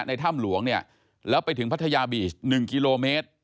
ถ้ำหลวงเนี่ยแล้วไปถึงพัทยาบีช๑กิโลเมตร